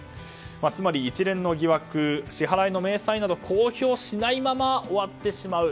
つまり一連の疑惑支払いの明細など公表しないまま終わってしまう。